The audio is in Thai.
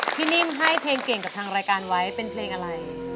นิ่มให้เพลงเก่งกับทางรายการไว้เป็นเพลงอะไร